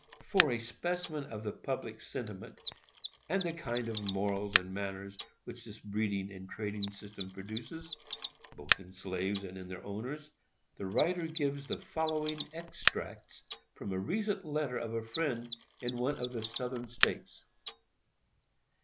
For a specimen of the public sentiment and the kind of morals and manners which this breeding and trading system produces, both in slaves and in their owners, the writer gives the following extracts from a recent letter of a friend in one of the Southern States.